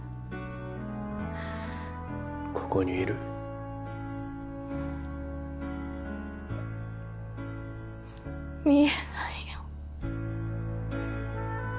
ここにいる見えないよ